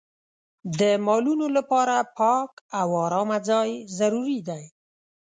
د مالونو لپاره پاک او ارامه ځای ضروري دی.